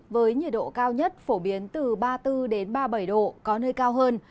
với nhiệt độ cao nhất phổ biến từ ba mươi bốn ba mươi bảy độ có nơi cao hơn